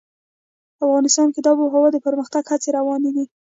افغانستان کې د آب وهوا د پرمختګ هڅې روانې دي.